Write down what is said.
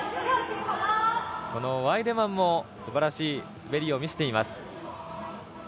このワイデマンもすばらしい滑りを見せています。